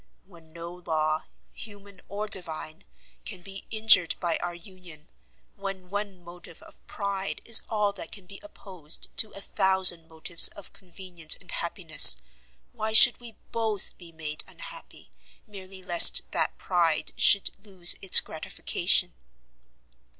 When no law, human or divine, can be injured by our union, when one motive of pride is all that can be opposed to a thousand motives of convenience and happiness, why should we both be made unhappy, merely lest that pride should lose its gratification?"